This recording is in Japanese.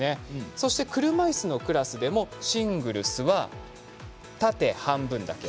そして、車いすのクラスでもシングルスは縦半分だけ。